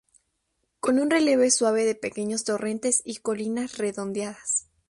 Con un relieve suave de pequeños torrentes y colinas redondeadas.